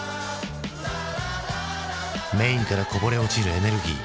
メインからこぼれ落ちるエネルギー。